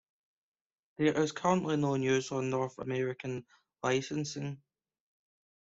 There is currently no news on North American licensing.